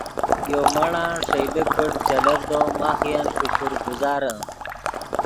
یو مڑآن ݰئیلے کڑ چلڤدو ماخ ین شکر گزارے